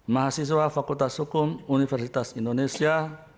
mahasiswa fakultas hukum universitas indonesia